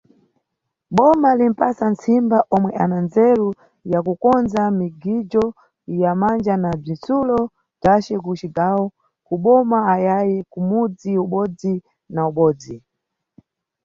Boma limʼpasa ntsimba omwe ana ndzeru ya kukondza migijo ya manja na bzitsulo bzace ku cigawo, ku boma ayayi kumudzi ubodzi na ubodzi.